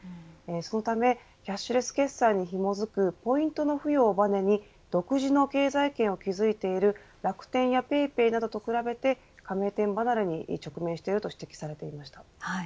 そのためキャッシュレス決済に紐づくポイントの付与をばねに独自の経済圏を築いている楽天やＰａｙＰａｙなどと比べて加盟店離れに直面していると指摘されていました。